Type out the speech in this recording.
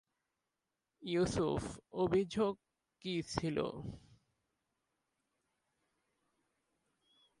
ইউসুফ অভিযোগ কি ছিলো?